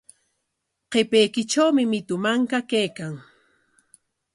Qapaykitrawmi mitu manka kaykan.